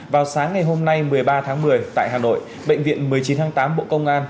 vào sáng ngày hôm nay một mươi ba tháng một mươi tại hà nội bệnh viện một mươi chín tháng tám bộ công an